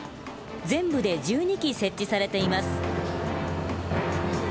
全部で１２基設置されています。